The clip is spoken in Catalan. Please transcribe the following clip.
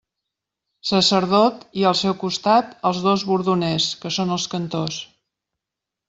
Sacerdot i, al seu costat, els dos bordoners, que són els cantors.